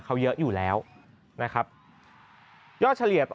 เขาเยอะอยู่แล้วนะครับยอดเฉลี่ยต่อ